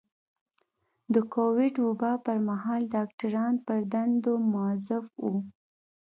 د کوويډ وبا پر مهال ډاکټران پر دندو مؤظف وو.